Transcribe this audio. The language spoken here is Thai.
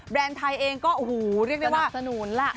แบรนด์ไทยเองก็หูเรียกได้ว่าสนับสนุนล่ะ